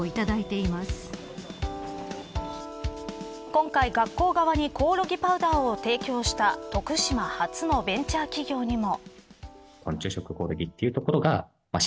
今回、学校側にコオロギパウダーを提供した徳島発のベンチャー企業にも。